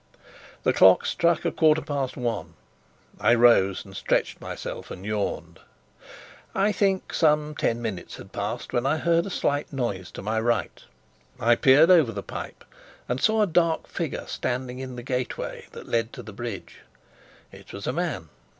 The clock struck a quarter past one. I rose and stretched myself and yawned. I think some ten minutes had passed when I heard a slight noise to my right. I peered over the pipe, and saw a dark figure standing in the gateway that led to the bridge. It was a man.